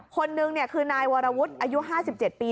คนนึงคือนายวรวุฒิอายุ๕๗ปี